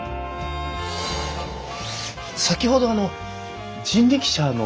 先ほどあの人力車の。